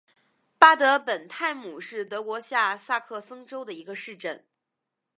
巴德本泰姆是德国下萨克森州的一个市镇。